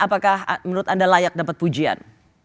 apakah menurut anda layak dapat pujian